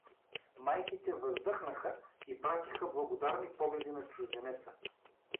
Майките въздъхнаха и пратиха благодарни погледи на чужденеца.